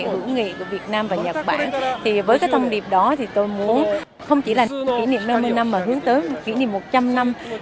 hữu nghị của việt nam và nhật bản thì với cái thông điệp đó thì tôi muốn không chỉ là kỷ niệm năm mươi năm mà hướng tới kỷ niệm một trăm linh năm